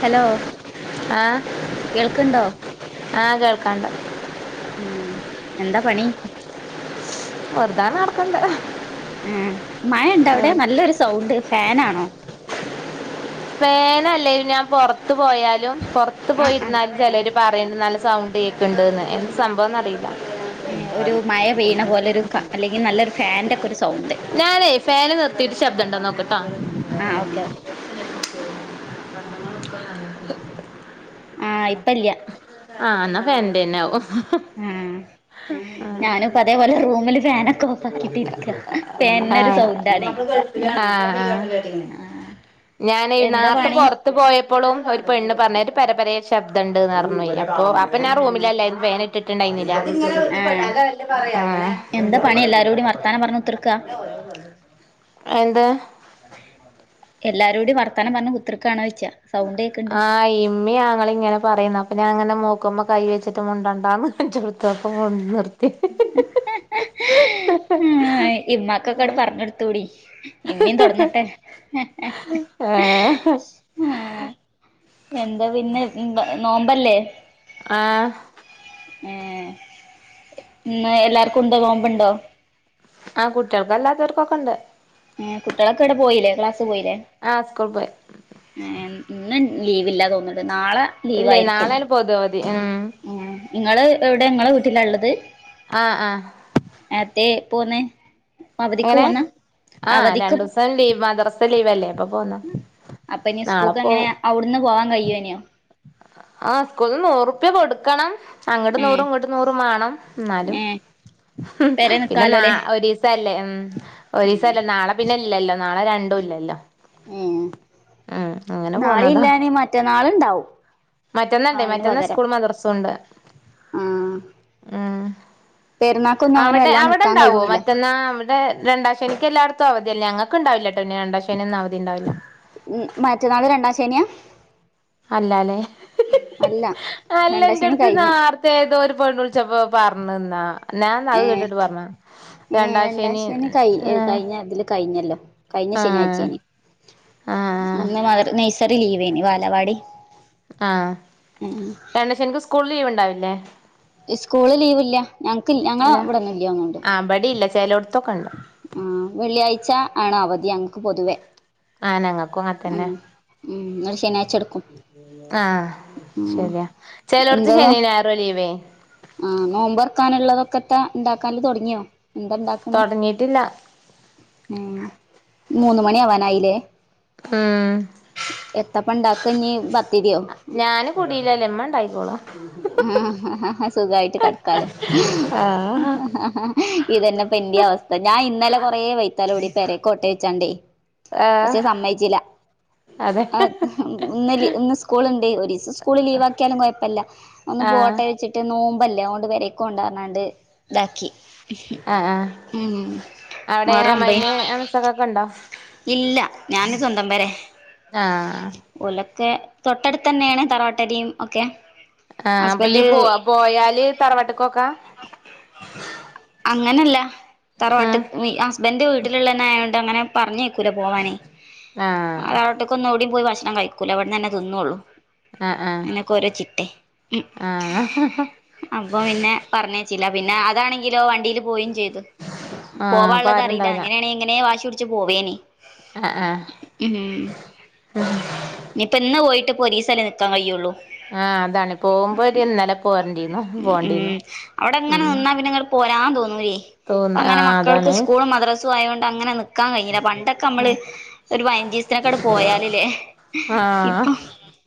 Hello ആഹ് കേൾക്ക്ണ്ടോ? ആഹ് കേൾക്കാണ്ട്. ഉം എന്താ പണി? വെർതാങ്ങനെ നടക്ക്ണ്ട്. ഉം മഴണ്ട വടെ നല്ലൊരു സൗണ്ട് ഫെനാണോ? ഫേനല്ലേലും ഞാൻ പോർത്ത് പോയാലും പോർത്ത് ആഹ് ആഹ് പോയിര്ന്നാലും ചെലോര് പറയ്ണ്ട് നല്ല സൗണ്ട് കേക്ക്ണ്ട്ന്ന് എന്ത് സംഭവന്നറീല്ല. ഒരു മഴ പെയ്യിണെ പോലൊരു കാ അല്ലെങ്കി നല്ലൊരു ഫാൻൻ്റെ ക്കൊരു സൗണ്ട്. ഞാനേ ഫാൻ നിർത്തിട്ട് ശബ്ദണ്ടോ നോക്ക്ട്ടോ. ആഹ് ഓക്കെ ഓക്കെ പറപ്പ [inaudible] ആഹ് ഇപ്പല്ല്യ ആഹ് ന്നാ ഫാൻൻ്റെന്ന്യാവും ഉം ഉം ആഹ് ഫാനൊക്കെ ഓഫ് ആക്കിട്ട് ഇരിക്ക ആഹ് ഫാനിനൊരു സൗണ്ടാണേ ആഹ് ആഹ് ഞാന് എന്താ നേര്ത്തെ പണി പൊറ് ത്ത് പോയപ്പളും ഒരു പെണ്ണ് പർഞ്ഞ് ഒരു പെരെ പെരേ ശബ്ദണ്ട്ന്നർഞ്ഞൊയ് അപ്പോ ആഹ് അപ്പൊ ഞാൻ ആഹ് റൂമിലലെര് ഫാനിട്ട്ട്ട്ണ്ടായിന്നില്ല ആഹ് ആഹ് എന്താ പണി എല്ലാരൂടി വർത്താനം പറഞ്ഞ് കുത്തിർക്കാ അഹ് എന്താ? എല്ലാരൂടിം വർത്താനം പർഞ്ഞ് കുത്തൃക്കാണോയ്ച്ചാ ആഹ് ഇമ്മിം ആങ്ങളിം ങ്ങനെ പറയുന്ന അപ്പൊ ഞാ ങ്ങനെ മൂക്ക്മ്മേ കൈ വെച്ചിട്ട് മുണ്ടാണ്ടന്ന് കാണ്ച്ചപ്പത്തപ്പ മുൻ നിർത്തി ഇമ്മാക്കൊക്കട് പർഞ്ഞെട്തൂടി ഇമ്മിം തൊടങ്ങട്ടെ ഏഹ് എന്താ പിന്നെ എന്താ നോമ്പല്ലേ? ആഹ് ഏഹ് ഇന്ന് എല്ലാർക്കുണ്ടോ നോമ്പ്ണ്ടോ? ആഹ് കുട്ട്യെൾക്കെല്ലാത്തോർക്കൊക്കെണ്ട്. ഉം കുട്ട്യെളൊക്കെ വടെ പോയില്ലേ ക്ലാസ് പോയില്ലേ? ആഹ് സ്കൂൾ പോയി. ഏഹ് ഇന്ന് ലീവില്ലാ തോന്ന്ണ്ട് നാളെ ഇല്ലേ ലീവായിരിക്കും നാളെണ് പൊതു അവധി ഉം ഉം ഇങ്ങള് എവടെ ഇങ്ങളെ വീട്ടിലാള്ളത്? ആഹ് ആഹ് അത്തെ പോന്നെ അവധിക്ക് എങ്ങനെ പോന്ന? ആഹ് രണ്ടുസം ലീവ് മദ്രസ ലീവലേ അപ്പൊ പോന്ന നാളെ പോവും. അവ്ട്ന്ന് പോവാൻ കയ്യേന്യോ? ആഹ് സ്കൂൾക്ക് നൂറുപ്യ കൊട്ക്കണം. അങ്ങട്ട് ഏഹ് നൂറും ഇങ്ങട്ട് നൂറും മാണം ന്നാലും ഏഹ് പെരേ പിന്നെ നാ നിക്കാലോല്ലേ ഒരീ സല്ലേ ഉം ഉം ഒരീസല്ലേ നാളെ പിന്നെ ഇല്ലല്ലോ നാളെ രണ്ടുല്ലല്ലോ. ഉം നാളില്ലാനി മറ്റന്നാള്ണ്ടാവും. മറ്റന്നണ്ട് അയിന് മറ്റന്ന പകരം സ്ക്കൂളും മദ്രസുണ്ട് ആഹ് ഉം പെരുന്നാക്കൊന്നും അങ്ങനെ അവിടെ വല്ലാതെ നിക്കാൻ അവിടെണ്ടാവോ കഴിഞ്ഞില്ല മറ്റന്നാ അവിടെ രണ്ടാ ശനിക്ക് എല്ലായിടത്തും അവധിയല്ലെ ഞങ്ങക്ക് ഇണ്ടാവില്ലട്ടൊ അന്ന് രണ്ടാ ശനിയൊന്നും അവധിണ്ടാവില്ല ഉം മറ്റന്നാൾ രണ്ടാം ശനിയാ അല്ലാല്ലേ അല്ല അല്ല രണ്ടാം ശനി ഇൻ്റെടുത്ത് നാ കഴിഞ്ഞു ത്തെ ഏതോ ഒര് പെണ്ണ് വുളിച്ചപ്പോ പറഞ്ഞ്ന്നാ ഞാ ഇന്നാ അത് ഏഹ് കേട്ടിട്ട് പറഞ്ഞ ഏഹ് രണ്ടാം രണ്ടാശനി ശനി കഴി ഏഹ് കഴിഞ്ഞ ഇതില് കഴിഞ്ഞല്ലോ കഴിഞ്ഞ ആഹ് ശെനിയാഴ്ചേനി ആഹ് അന്ന് നൈയ്സറി ലീവേനി വാലവാടി ആഹ് രണ്ടാശെനിക്ക് സ്കൂൾ ലീവ് ഇണ്ടാവില്ലേ? ഇസ്കൂള് ലീവ്ല്ല ഞങ്ങക്ക് ഞങ്ങള ഇവിടൊന്നും ഇല്ല്യതോന്ന്ണ്ട് ആ ഇബടില്ല സ് ചേലൊട്ത്തോകണ്ട് ആ വെള്ളിയാഴ്ച ആണ അവധി ഞങ്ങക്ക് പൊതുവേ, ആ ഞങ്ങക്കും അങ്ങൻത്തന്നെ. നേച്ചെടുക്കും, ആഹ് ശെരിയാ ചെലോട്ത്ത് എന്താവാ ശനിം ഞായറുവാ ലീവേ, ആഹ് നോമ്പർക്കാനുള്ളതൊക്കെത്താ ഇണ്ടാക്കാല് തൊടങ്ങിയോ എന്താ ഇണ്ടാക്ക്ണ്. തൊടങ്ങിട്ടില്ല ഉം മൂന്ന് മണിയാവനായില്ലേ? ആഹ് എത്തപ്പ ഇണ്ടാക്ക ഇഞ്ഞ് പത്തിരിയോ? ഞാന് കുടീലല്ലേ ഇമ്മ ഇണ്ടായിക്കോളും ആ സുഖായിറ്റ് കെടക്കാലോ. ആഹ് ഇതന്നെപ്പ ഇന്റിം അവസ്ഥ ഞാൻ ഇന്നലെ കൊറേ വൈത്താല ‌ ക്കൂടി പെരേകോട്ടെ ചോയ്ച്ചാണ്ടേ. ആഹ് പക്ഷെ സമ്മയ്ച്ചില. അതെ ആ ഇന്ന് ലി ഇന്ന് സ്കൂള്ണ്ട് ഒരീസം സ്കൂള് ലീവ് ആക്കിയാലും കുഴപ്പല്ല. ഒന്ന് ആഹ് പോട്ടെ വെച്ചിട്ട് നോമ്പല്ലേ അതൊണ്ട് പെരീക്ക്‌ പോണ്ടർന്നാണ്ട് ഇതാക്കി. ആഹ് ആഹ് ഉം മുഹറൊമ്പേ ഇപ്പക്കൊക്കണ്ടോ? ഇല്ല ഞാന് സ്വന്തം പെരെ. ആഹ് ഓലോക്കെ തൊട്ടടുത്ത് തന്നേണ് തറവാട്ടരിം ഒക്കെ. ആഹ് അപ്പൊ ഹസ്ബൻഡ് ഇയ്യ് പോ പോയാല് തറവാട്ട്ക്കൊക്കാ. അങ്ങനല്ല തറവാട്ട് ഉം വി ഹസ്ബന്റ് വീട്ടിലുള്ളന്നെ ആയോണ്ട് അങ്ങനെ. പറഞ്ഞേക്കൂല പോവാന് ആഹ് തറവാട്ട്ക്കൊന്നും എവ്ടിം പോയി ഭക്ഷണം കഴിക്കൂല ഇവിട്ന്നന്നെ തിന്നൊള്ളൂ. ആഹ് ആഹ് അങ്ങനൊക്കെ ഓരോ ചിട്ടേ മ് ആഹ് അപ്പൊ പിന്നെ പറഞ്ഞേച്ചില്ല പിന്നെ അതാണെങ്കിലോ വണ്ടീല് പോയിം ചെയ്ത്. ആഹ് അപ്പൊ പോവാള്ളത് അറീല ആരുണ്ടാവില്ല അങ്ങനേണെ എങ്ങനെ വാശി പുടിച്ച് പോവേനി. ആഹ് ആഹ് ഉം ഇനിയിപ്പോ ഇന്ന് പോയിട്ട് പ്പൊ ഒരീസം ല്ലേ നിക്കാൻ കഴൊള്ളൂ. ആഹ് അതാണ് പോകുമ്പോ ഒരു ഇന്നലെ പോരെണ്ടിന്നു ഉം പോണ്ടിന്നു ഉം അവിടെ അങ്ങനെ ഉം. നിന്നാ പിന്നെ ഇങ്ങട് പോരാൻ തോന്നൂല്ലേ ഇപ്പ തോന്ന് അങ്ങനെ ആഹ് മക്കൾക്ക് അതാണ് സ്കൂൾ മദ്ര സ്സുആയോണ്ട് അങ്ങനെ നിക്കാൻ കഴില പണ്ടൊക്കെ നമ്മള്. ഒരു പൈഞ്ചീസത്തിനൊക്കെ അട് പോയാല് ലെ ആഹ് ഇപ്പൊ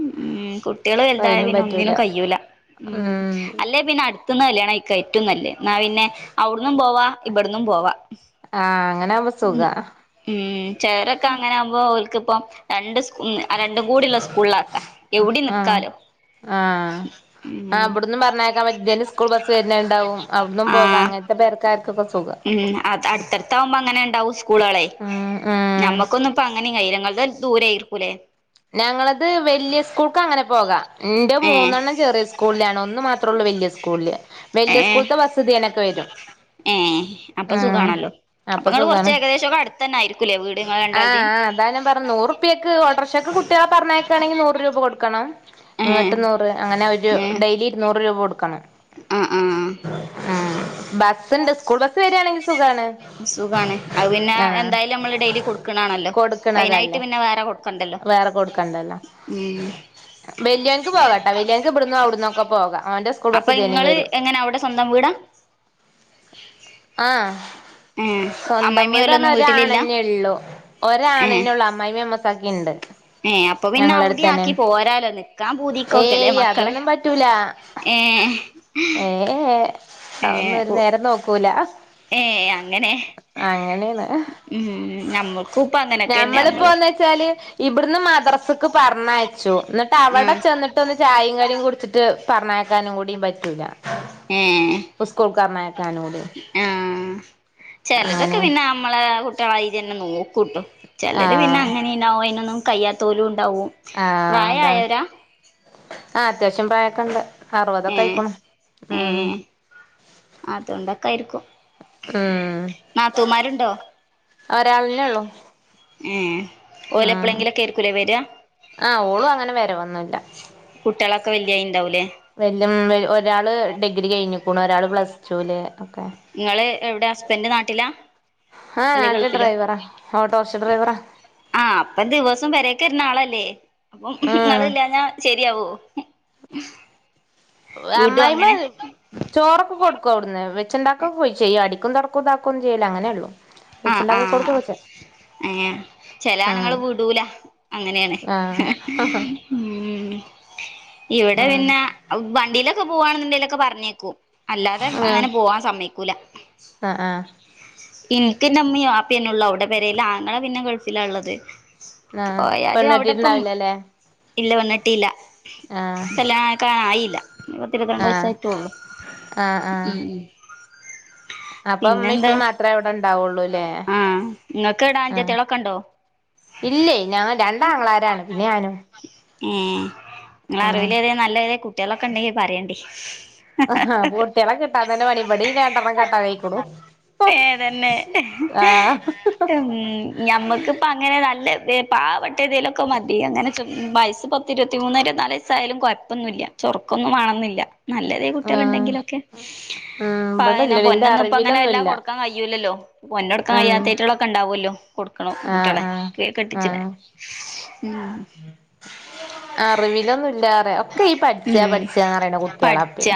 ഉം കു കുട്ടിയാൾ അപ്പ വലുതായ അയിനും പിന്നെ പറ്റൂല ഒന്നിനും കയൂല്ല ഉ ഉം അല്ലേ പിന്നെ അടുത്ത്ന്ന് കല്യാണം കഴി ക്ക ഏറ്റവും നല്ലേ ഇന്നാ പിന്നെ അവിടന്നും പോവാ ഇബടന്നും പോവാ. ആഹ് അങ്ങനാവുമ്പോ സുഖാ ഉം ചേറൊക്കെ അങ്ങനെ ആവുംമ്പോ ഓൽക്ക്പ്പം. രണ്ട് ഉം രണ്ടും കൂടെള്ള സ്കൂളിലാക്കാ എവിടെ ആഹ് നിക്കാലോ ആഹ് ആ ഉം അവിട്ന്നും പറഞ്ഞേക്കാൻ മറ്റെ സ്കൂൾ ബസ്സ് വരണെണ്ടാവും.. അവിട്ന്നും പോകാം ആഹ് അങ്ങനത്തെ പേർക്കാർക്കൊക്കെ സുഖാ ഉം അത് അടുത്തടുത്താവുമ്പോ അങ്ങനെ ഉണ്ടാവും സ്കൂളുകളെ ഉം ഉം നമ്മക്കൊന്നും ഇപ്പ അങ്ങനെയും കൈയില അങ്ങളദ് ദൂരയായിർരിക്കില്ലേ ഞങ്ങളത് വല്ല്യ സ്കൂൾക്ക് അങ്ങനെ പോകാ എന്റെ ഏഹ് മൂന്നെണ്ണം ചെറിയ സ്കൂൾ സ്കൂളിലാണ് ഒന്ന് മാത്രൊള്ളൂ വല്യ സ്കൂൾല് വല്യ സ്കൂൾത്തെ ബസ്സ് ഇതേ കണക്ക് വെരും. ഏ അപ്പൊ സുഖാണല്ലോ അപ്പൊ നിങ്ങള് കൊറച്ച് ഏകദേശൊക്കെ അടുത്തന്നെ ആയിരിക്കൂല്ലേ വീട്ങ്ങള രണ്ടാൾടേം കുപ്പിയൊക്ക് ഓട്ടോർഷക്ക്‌ കുട്ടികള പറഞ്ഞേക്കാണെങ്കിൽ നൂറ് രൂപ കൊടുക്കണം ഏഹ് ഇങ്ങോട്ട് നൂറ് അങ്ങനെ ഒരു ഏഹ് ഡെയിലി ഇരുന്നൂറ് രൂപ കൊടുക്കണം ആഹ് ആഹ് ഉം ബസ്ണ്ട് സ്കൂൾ ബസ്സ് വരിയാണെങ്കി സുഖാണ് അത് പിന്നെ ആഹ് എന്തായാലും നമ്മള് ഡെയിലി കൊടുക്കണാണല്ലോ അയിനായിട്ട് കൊടുക്കണതല്ലേ പിന്നെ വേറെ കൊടുക്കണ്ട വേറെ കൊടുക്കണ്ടല്ലോ വെല്യാൾക്ക് പോകണ്ട വല്യാക്ക് ഇവിട്ന്ന് അവിടന്നൊക്കെ പോകാം അവന്റെ സ്കൂൾ അപ്പൊ ബസ് തെനം ഇങ്ങള് വെരും എങ്ങനെ അവിടെ സ്വന്തം വീടാ ആഹ് ഏഹ് സ്വന്തം അമ്മായിമ്മിം വീടാണ് ഓലൊന്നും ഒരു വീട്ടിലില്ല ആണന്നെ ഉള്ളു ഒരാണിനൊള്ളു അമ്മായിഅമ്മയും മെസ്സാക്കി ഇണ്ട് ഏ അപ്പൊ പിന്നെ അവിടെ ഞങ്ങളടുത്തന്നെ ആക്കി പോരാലോ നി ക്കാൻ പൂതിക്കോക്കല്ലേ ഏയ് മക്കളെ അതൊന്നും പറ്റൂല ഏഹ് ഏ അതൊന്നും ഒരു ഏഹ് നേരം നോക്കൂല ഏ അങ്ങനെ അങ്ങനെയാണ് ഉം നമ്മക്കൂപ്പ അങ്ങനൊക്കന്നെ ഞമ്മള് ച്ചാല് ഇവിടുന്ന് മാദ്രസ് പറഞ്ഞയച്ചു എന്നിട്ട് അവിടെ ആഹ് ചെന്നിട്ട് ഒര് ചായയും കടിയും കുടിച്ചിട്ട് പറഞ്ഞയ പക്കാനും കൂടിയും പറ്റൂല്ല ഏയ് സ്കോൾക്കാർണക്കാനൂടെ ആഹ് ചിലതൊക്കെ പിന്നെ നമ്മളെ കുട്ടികളായിന്നെ നോക്കൂട്ടു ചിലര് പിന്നെ ആഹ് അങ്ങനെ ഇണ്ടാവും അയിനൊന്നും കഴിയാത്തോരുണ്ടാവും ആഹ് അതാണ് ആ അത്യാവശ്യം പ്രായക്കെണ്ട് ഏ അറുപതൊക്കെ ആയിക്കണു ഉം അത്ണ്ടക്കാരിക്കും ഉം നാത്തൂമാരുണ്ടോ ഒരാളന്നെ ഒള്ളൂ ഏഹ് ഓലെപ്പഴെങ്കിലൊക്കാരിക്കൂലെ വെരിക ആ ഓളും അങ്ങനെ വെരവൊന്നുല്ല കുട്ടികളൊക്കെ വല്യായി ഇണ്ടാവൂലേ വലൃം ഒരാള് ഡിഗ്രി കഴിഞ്ഞിക്കുണു ഒരാള് പ്ലസ് ടൂല് ഒക്കെ നിങ്ങള് എവിടെ ഹസ്ബൻഡ് നാട്ടിലാ ആഹ് അല്ലെ നാട്ടിലെ ഗൾഫിലോ ഡ്രൈവറ ഓട്ടോറിക്ഷ ഡ്രൈവറാ ആഹ് അപ്പൊ ദിവസോം പെരേക്ക് വെരുന്നാളല്ലേ അപ്പം ഉം നിങ്ങള് ഇല്ലാത ശെരിയാവോ അമ്മായിമ്മ ചോറൊക്കെ കൊടുക്കും അവിട്ന്ന് വെച്ചുണ്ടാക്കൊക്ക പോയി ചെയ്യും അടിക്കും തൊറക്കും ഇതാക്കൊന്നും ചെയ്യൂല അങ്ങനെ ഉള്ളൂ ആഹ് ആഹ് ഏഹ് ചെലെ ആണുങ്ങൾ ഉം വിടൂല അങ്ങനെയാണ് ആഹ് ഉം ഇവിടെ പിന്നെ ഉം വണ്ടിയിലൊക്കെ പോവാണുണ്ടെങ്കിലൊക്കെ പറഞ്ഞേക്കൂ അല്ലാതെ അങ്ങനെ പോവാൻ സമ്മയ്യ്ക്കൂല ആഹ് ആഹ് എനിക്ക് എന്റെ ഉമ്മീ വാപ്പന്നെള്ളു അവിടെ പെരല്ല് ആങ്ങള പിന്നെ ഗൾഫിലള്ളത് ആഹ് പോയാലും അവിടെപ്പം പെണ്ണെട്ടിട്ടുണ്ടാവില്ലല്ലേ ഇല്ല വന്നിട്ടില്ല ആഹ് ഇസ്ലാക്ക ആയില്ല പത്തി ഇരുപത്തിരണ്ട് ആഹ് വയസായിട്ടള്ളൂ ആഹ് ആഹ് ഉം അപ്പൊ ഇമ്മ ഇപ്പ പിന്നെന്താ മാത്രേ അവിടെ ഇണ്ടാവുള്ളൂല്ലേ ആഹ് നിങ്ങൾക്ക് ഇവിടെ ആഹ് അനുജത്തികളൊക്കെ ഉണ്ടോ ഇല്ലേ ഞങ്ങ രണ്ട് ആങ്ങളാരാണ് പിന്നെ ഞാനും ഉം നിങ്ങള ആഹ് അറിവിൽ ഏതെ നല്ലതെ കുട്ടികളൊക്കെ ഉണ്ടെങ്കി പറയണ്ടി അ ഹാ കുട്ടികളെ കിട്ടാൻ തന്നെ പണി വടിം രണ്ടെണ്ണം കെട്ടാനായ്ക്ണു ഏഹ് തന്നെ ഉം ഞമ്മുക്കിപ്പ അങ്ങനെ നല്ല പാവപ്പെട്ട ഇതിലൊക്കെ മതി അങ്ങനെ വയസ് പത്തി ഇരുപത്തി മൂന്ന് ഇരുപത്തി നാല് സായാലും കുഴപ്പൊന്നുല്ല ചൊറുക്കൊന്നും വേണോന്നില്ല നല്ലതെ കുട്ടികള് ണ്ടെങ്കിലൊക്കെ ഉം പെ ഇവിടില്ലടി ഇന്റെ പൊന്നൊന്നും ഇപ്പ അങ്ങനെ വല്ലാം അറിവിലൊന്നുല്ല കൊടുക്കാൻ കഴിയൂല്ലല്ലോ പൊന്നെടുൻ ഉം കഴിയാത്തയ്റ്റളൊക്കെ ണ്ടാവോല്ലോ കൊട്ക്കണം ആഹ് കുട്ട്യളെ ആഹ് ക്കെ കെട്ടിച്ച്ണ് ആഹ് അറിവിലൊന്നുല്ലാറ ഒക്കെ ഈ പഠിച്ചാ ഉം പഠിച്ചന്ന്റിയണ കുട്ടേളാ പ്പെ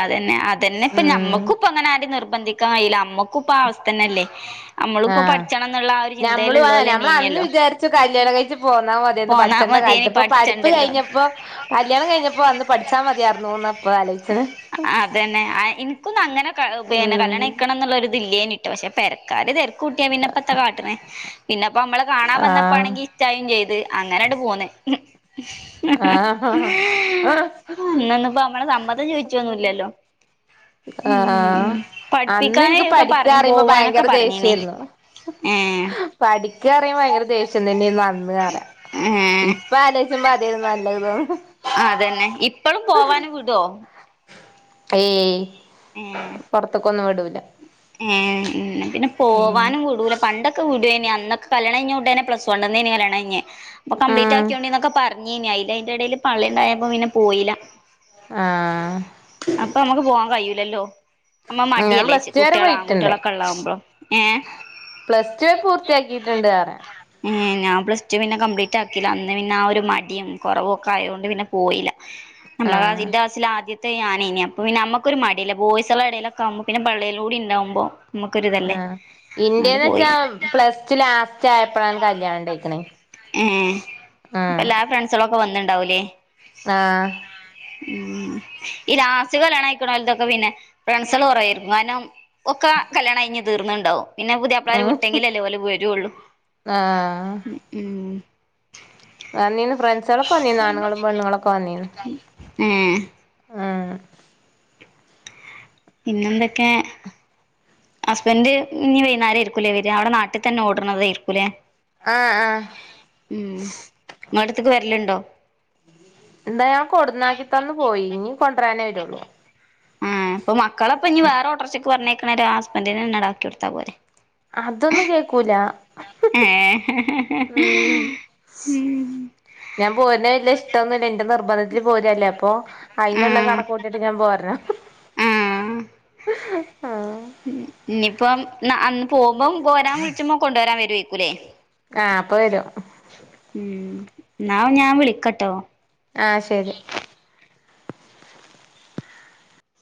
തന്നെ പ്പം ഞമ്മക്കും ഇപ്പം ആരിം നിർബന്ധിക്കാൻ കയീല്ല ഞമ്മക്കും ഇപ്പാ അവസ്ഥ തന്നല്ലേ ആഹ ഞമ്മളും ആഹ അയെന്നെ ആഹ് നമ്മള് അന്ന് ഇനല്ലോ വിചാരിച്ച് കല്യാണം കയ്ച്ച് പോന്നാ മതേന്നു പോന്നാ പഠിച്ചണ്ട മതിയേനി കാലത്ത് ഇപ്പം പഠിപ്പ് പഠിച്ചണ്ടല്ലോ കയ്ഞ്ഞപ്പം കല്യാണം കയ്ഞ്ഞപ്പം അന്ന് പഠിച്ചാ മതിയായിരുന്നൂന്ന് ഇപ്പം ആലോയ്ച്ച്ണ ആഹ് അതന്നെ ആഹ് ഇൻക്കൊന്നും അങ്ങനെ ക പിന്നെ കല്യാണം ഉം കയ്ക്കണം ന്ന്ള്ളൊര് ഇതില്ലേനി പക്ഷെ പെരക്കാര് തെരക്ക് കൂട്ടിയാ പിന്നെപ്പത്ത കാട്ട്ണെ പിന്നെപ്പമ്മളെ കാണാൻ ആഹ് വന്നപ്പാണെങ്കി ഇഷ്ടായിം ചെയ്ത് അങ്ങനാണ്ട് പോന്ന് ആഹ് അഹ് അന്നൊന്നിപ്പോ നമ്മളെ സമ്മതം ചോദിച്ചൊന്നുല്ലല്ലോ ആഹ് ഉം അന്ന് പഠിപ്പിക്കാന് ഇൻക്ക് ഒക്കെ പറഞ്ഞ് പഠിക്കാറിമ്പം പോവാനൊക്കെ ഭയങ്കര പറഞ്ഞീനി ദേഷ്യര്ന്നു ഏഹ് പഠിക്കാറിമ്പം ഭയങ്കര ദേഷ്യം തന്നെയ്ന്നു അന്ന് റ്യ ഇപ്പാലോയ്ച്ചുമ്പ ആഹ് അതന്നെ ഇപ്പളും പോവാനും വിടോ ഏയ് പൊറത്ക്കൊന്നും വിടൂല ഏഹ് ഏഹ് പിന്നെ ഉം പോവാനും വുടൂല പണ്ടൊക്കെ വുടേനി അന്നൊക്കെ കല്യാണം കയ്ഞ്ഞ ഉടനെ പ്ലസ് വണ്ണ് ന്നേനി കല്യാണം കയ്ഞ്ഞെ അപ്പം ഉം കംബ്ലീറ്റാക്ക്യോണ്ടീ ന്നൊക്കെ പറ ഞ്ഞീനി അയല് അയ്ന്റെ എടേല് പള്ളേണ്ടായപ്പം പിന്നെ പോയില ആഹ് അപ്പമ്മക്ക് പോവാൻ കയ്യൂലല്ലോ അമ്മ ഞാൻ മടിയല്ലേച് പ്ലസ് ടു വരെ കുട്ട്യേള് പോയിട്ടുണ്ട് ആങ്കുട്ടേളൊക്കെ ഉള്ളാവുമ്പോ ഏഹ് പ്ലസ് ടു പൂർത്തിയാക്കിയിട്ടുണ്ട് പറ ഏഹ് ഞാൻ പ്ലസ് ടു പിന്നെ കംപ്ലീറ്റ് ആക്കീല്ല അന്ന് പിന്നെ ആ ഒരു മടിയും കുറവൊക്കെ ആയോണ്ട് പിന്നെ പോയില ആഹ് നമ്മളാതിന്റെ ക്ലാസില് ആദ്യ ത്തെ ഞാനേനി അപ്പം പിന്നെ ഞമ്മക്കൊരു മട്യല്ലെ ബോയിസെളെ എടേലൊക്കെ ആവുമ്പം പിന്നെ പള്ളേലൂടിണ്ടാവുമ്പം ആഹ് ഇൻ്റെന്നച്ചാ പ്ലസ് ടു ലാസ്റ്റ് ആയപ്പളാണ് കല്യാണം ഇണ്ടയ്ക്ക്ണ ഏഹ് അപ്പെല്ലാ ഫ്രണ്ട്സളൊക്കെ വന്ന്ണ്ടാവുലെ ആഹ് ഈ ലാസ്റ്റ്ക്ക് കല്യാണം കയ്ക്ക്ണോൽതൊക്കെ പിന്നെ ഫ്രൻസെള് കൊറേ വരും കാരണം ഒക്ക കല്യാണം കഴിഞ്ഞ് തീർന്ന്ണ്ടാവും പിന്നെ പുത്യാപ്ലാര് ഉം വിട്ടെങ്കിലല്ലെ ഓല് വരൊള്ളു. ആഹ് വന്നീന്നു ഫ്രണ്ട്സേളൊക്കെ വന്നീന്നു ആണ്ങ്ങളും പെണ്ണ്ങ്ങളൊക്കെ വന്നീന്നു. ഏഹ് ആഹ പിന്നെന്തൊക്കെ ഹസ്ബന്റ് ഇഞ്ഞ് വൈന്നാരം ആയിരിക്കൂലേ വര്യാ? അവുടെ നാട്ട് തന്നെ ഓട്ണതേര്ക്കൂലേ? ആഹ അഹ ഉം ഇങ്ങളടത്ത്ക്ക് വരല്ണ്ടോ? എന്താ ഞാൻ കൊടന്നാക്കിത്തന്ന് പോയി, ഇഞ്ഞ് കൊണ്ടരാനേ വരുള്ളൂ. ഇപ്പ മക്കളെപ്പഞ്ഞ് വേറെ ഓട്ടർഷക്ക് പറഞ്ഞേക്ക് ണേരം ഹസ്ബൻഡിനെന്നാണ്ട് ആക്യൊട്ത്താ പോരെ അതൊന്നും കേക്കൂല ഏ ഉം ഉം ഞാൻ പോര്ണെ വല്യ ഇഷ്ടൊന്നുല്ല ഇന്റെ നിർബന്ധത്തിന് പോരല്ലേ അപ്പം. അയ്ന്ള്ള കണക്കൂട്ടിട്ട് ഞാൻ പോരണം. ആഹ ആഹ് ഇഞ്ഞ്പ്പം അന്ന് പോകുമ്പം പോരാൻ വിളിച്ച്പോ കൊണ്ടോരാൻ വരേക്കു ലെ ആഹ അപ്പൊ വരും ഉം ന്നാ ഞാൻ വിളിക്കട്ടോ ആ ശരി